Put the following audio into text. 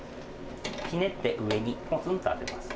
ひねって上にコツンと当てます。